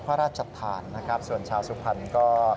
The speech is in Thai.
พระราชจัดฐานส่วนชาวสุพรรณก็